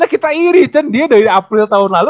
jadi kita iri cun dia dari april tahun lalu